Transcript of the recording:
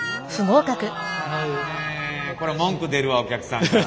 これ文句出るわお客さんから。